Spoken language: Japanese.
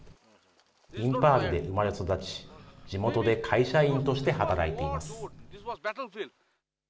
インパールで生まれ育ち、地元で会社員として働いています。